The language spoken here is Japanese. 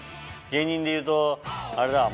芸人でいうとあれだ。